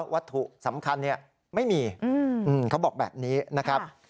วัตถุสำคัญไม่มีเขาบอกแบบนี้นะครับ